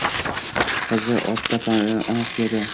Qizi otda, onasi piyoda